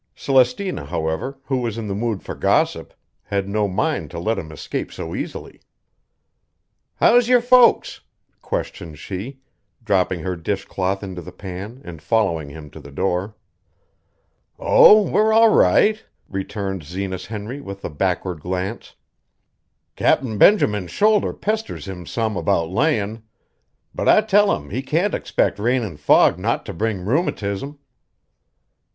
Celestina, however, who was in the mood for gossip, had no mind to let him escape so easily. "How's your folks?" questioned she, dropping her dishcloth into the pan and following him to the door. "Oh, we're all right," returned Zenas Henry with a backward glance. "Captain Benjamin's shoulder pesters him some about layin', but I tell him he can't expect rain an' fog not to bring rheumatism."